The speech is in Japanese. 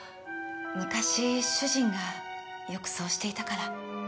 昔主人がよくそうしていたから。